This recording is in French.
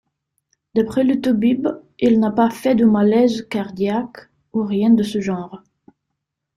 D’après le toubib, il n’a pas fait de malaise cardiaque, ou rien de ce genre.